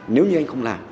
nếu như anh không làm